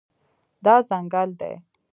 دا ځنګل دی